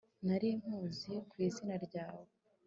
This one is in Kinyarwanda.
nari nkuzi ku izina ryawe